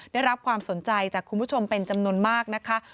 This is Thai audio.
ได้รับความสนใจจากคุณผู้ชมเป็นจำนวนมากนะคะ